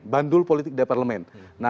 bandul politik dari parlemen